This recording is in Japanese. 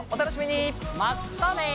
まったね！